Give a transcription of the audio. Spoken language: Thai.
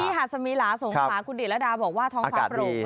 ที่ฮาสมิลาสวงภาคุณเดรัดาบอกว่าท้องฟ้าโปร่ง